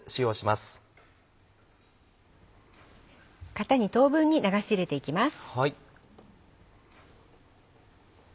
型に等分に流し入れていきます。